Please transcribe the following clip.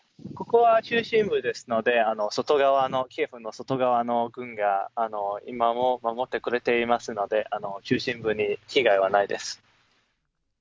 ここは中心部ですので、外側の、キエフの外側の軍が、今も守ってくれていますので、中心部に被害はないです。